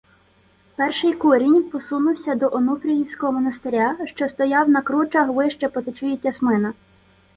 Перший курінь посунувся до Онуфріївського монастиря, що стояв на кручах вище по течії Тясмина.